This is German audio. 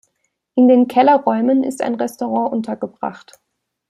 In den Kellerräumen ist ein Restaurant untergebracht.